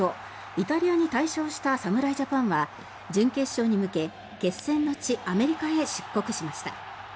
イタリアに大勝した侍ジャパンは準決勝に向け決戦の地アメリカへ出国しました。